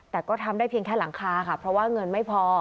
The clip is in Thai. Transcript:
แต่ก็ทำได้เพียงแค่หลังคาค่ะเพราะว่าเงินไม่พอ